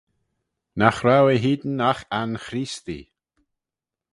Nagh row ehhene agh anchreestee.